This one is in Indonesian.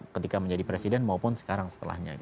ketika menjadi presiden maupun sekarang setelahnya